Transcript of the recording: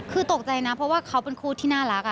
คือตกใจนะเพราะว่าเขาเป็นคู่ที่น่ารัก